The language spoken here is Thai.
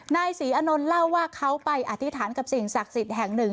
นายศรีอนนท์เล่าว่าเขาไปอธิษฐานกับสิ่งศักดิ์สิทธิ์แห่งหนึ่ง